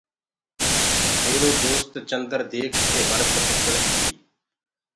ميرو دوست چندر ديک ڪي ورت پڪڙستي۔